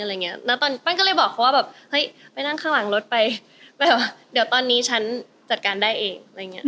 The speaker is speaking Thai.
แล้วปั้นก็เลยบอกเขาว่าไปนั่งข้างหลังรถไปเดี๋ยวตอนนี้ฉันจัดการได้เอง